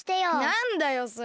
なんだよそれ。